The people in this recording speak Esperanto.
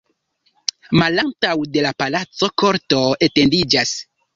Malantaŭ de la palaco korto etendiĝas.